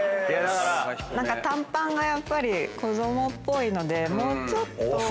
何か短パンがやっぱり子供っぽいのでもうちょっと。